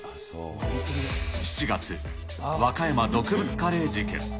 ７月、和歌山毒物カレー事件。